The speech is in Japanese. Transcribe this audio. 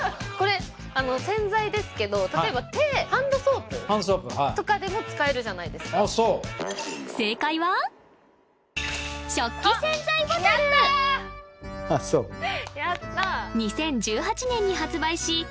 これ洗剤ですけど例えば手ハンドソープとかでも使えるじゃないですか正解は２０１８年に発売し